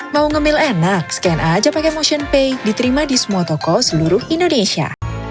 mau nge mail enak scan aja pake motionpay diterima di semua toko seluruh indonesia